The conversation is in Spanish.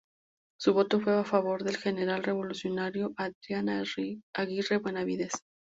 Su voto fue a favor del general revolucionario Adrián Aguirre Benavides.